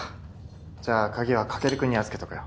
じゃあ鍵は翔琉君に預けとくよ。